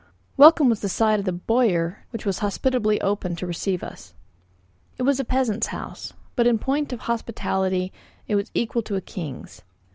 Welcome was the sight of the boër which was hospitably opened to receive us. It was a peasant's house, but in point of hospitality it was equal to a king's.